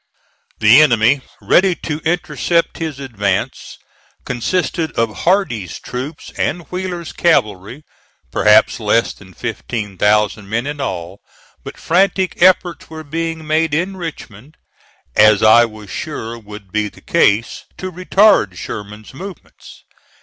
The enemy, ready to intercept his advance, consisted of Hardee's troops and Wheeler's cavalry, perhaps less than fifteen thousand men in all; but frantic efforts were being made in Richmond, as I was sure would be the case, to retard Sherman's movements.